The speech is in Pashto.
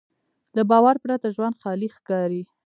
له باور پرته ژوند خالي ښکاري.